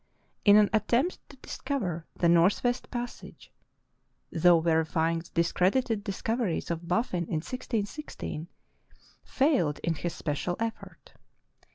in an attempt to discover the northwest passage, though verifying the discredited discoveries of Baffin in 1616, failed in his special effort.